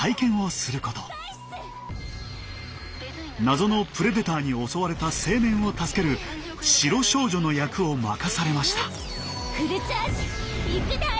謎のプレデターに襲われた青年を助ける白少女の役を任されました。